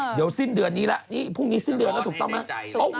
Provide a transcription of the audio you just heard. เดี๋ยวสิ้นเดือนนี้แล้วนี่พรุ่งนี้สิ้นเดือนแล้วถูกต้องไหม